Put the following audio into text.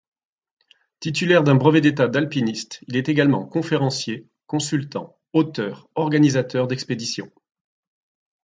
Titulaire d'un brevet d'état d'alpiniste, il est également conférencier, consultant, auteur, organisateur d'expéditions.